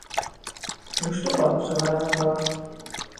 Gustuko al duzu garagardoa?